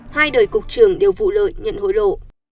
hai đời cục trưởng đều vụ lợi nhận hối lộ